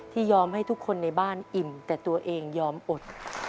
ยอมให้ทุกคนในบ้านอิ่มแต่ตัวเองยอมอด